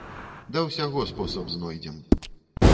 Да ўсяго спосаб знойдзем.